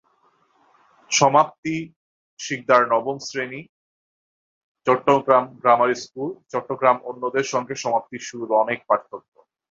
সমাপ্তি শিকদারনবম শ্রেণি, Chittagong grammar school, চট্টগ্রামঅন্যদের সঙ্গে সমাপ্তির শুরুর অনেক পার্থক্য।